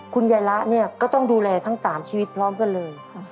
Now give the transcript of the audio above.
คุณยายละเนี่ยก็ต้องดูแลทั้ง๓ชีวิตพร้อมกันเลย